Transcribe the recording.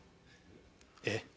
えっ？